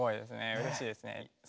うれしいですね。